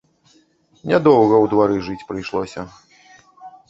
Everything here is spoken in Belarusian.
Нядоўга ў двары жыць прыйшлося.